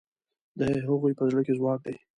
د هغوی په زړه کې ځواک دی.